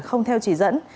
không theo chỉ dẫn